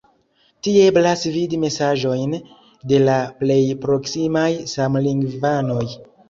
Tie eblas vidi mesaĝojn de la plej proksimaj samlingvanoj.